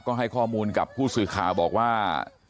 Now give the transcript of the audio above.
ก็ให้ข้อมูลกับผู้สื่อข่าวบอกว่า